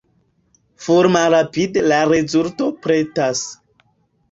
Fulmrapide la rezulto pretas.